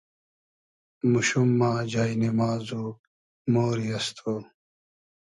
موشوم ما جای نیماز و مۉری از تو